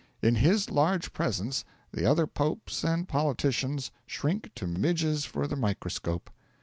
In his large presence the other popes and politicians shrink to midges for the microscope.